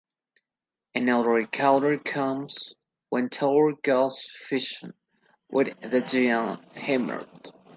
Another encounter comes when Thor goes fishing with the giant Hymir.